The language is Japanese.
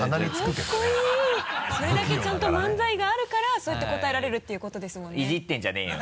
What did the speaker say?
それだけちゃんと漫才があるからそうやって答えられるっていうことですもんね。